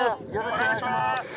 お願いします。